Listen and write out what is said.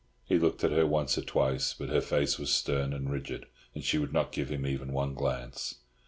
He looked at her once or twice, but her face was stern and rigid, and she would not give him even one glance.